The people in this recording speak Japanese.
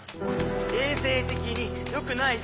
衛生的によくないぜ。